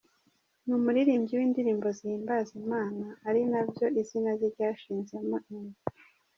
Ni umuririmbyi w’indirimbo zihimbaza Imana ari nabyo izina rye ryashinzemo imizi.